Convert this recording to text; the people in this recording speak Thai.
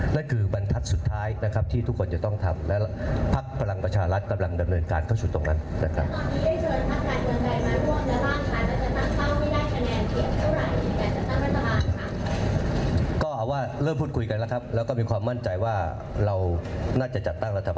นั่นคือบันทัดสุดท้ายนะครับที่ทุกคนจะต้องทำ